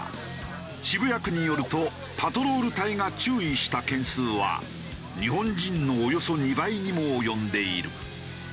渋谷区によるとパトロール隊が注意した件数は日本人のおよそ２倍にも及んでいる。